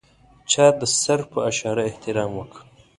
چا د سر په اشاره احترام وکړ.